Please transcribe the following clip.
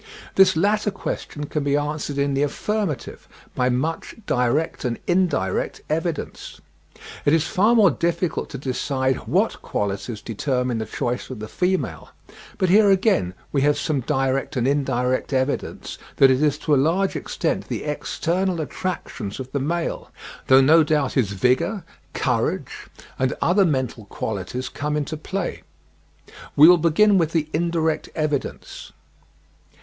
This latter question can be answered in the affirmative by much direct and indirect evidence. It is far more difficult to decide what qualities determine the choice of the females; but here again we have some direct and indirect evidence that it is to a large extent the external attractions of the male; though no doubt his vigour, courage, and other mental qualities come into play. We will begin with the indirect evidence.